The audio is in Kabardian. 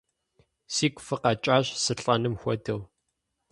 Сигу фыкъэкӀащ сылӀэным хуэдэу!